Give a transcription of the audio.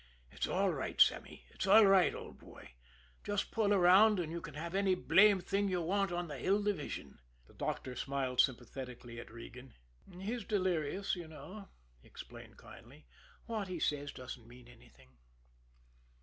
"It's all right, Sammy. It's all right, old boy. Just pull around and you can have any blamed thing you want on the Hill Division." The doctor smiled sympathetically at Regan. "He's delirious, you know," he explained kindly. "What he says doesn't mean anything."